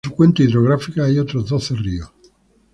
En su cuenca hidrográfica hay otros doce ríos.